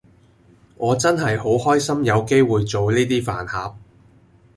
我真係好開心有機會做呢 d 飯盒